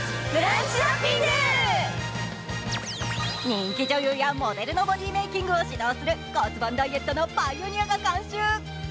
人気女優やモデルのボディメーキングを監修する骨盤ダイエットのパイオニアが監修。